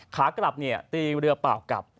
ขากลับตีเรือเปล่ากลับ